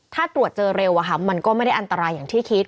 ถ้าตรวจเจอเร็วมันก็ไม่ได้อันตรายอย่างที่คิด